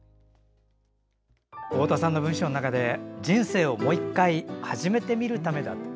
太田さんの文章の中で「人生をもう一回はじめてみるためだ」と。